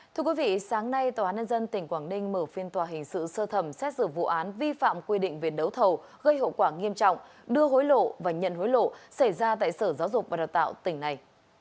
thưa quý vị sáng nay tòa án nhân dân tỉnh quảng ninh mở phiên tòa hình sự sơ thẩm xét xử vụ án vi phạm quy định về đấu thầu gây hậu quả nghiêm trọng đưa hối lộ và nhận hối lộ xảy ra tại sở giáo dục và đào tạo tỉnh này